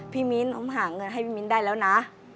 พี่มีนผมหาเงินให้พี่มีนได้แล้วนะ